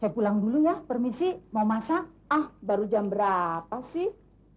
pulang dulu ya per gas mau masak ah baru jam berapa sih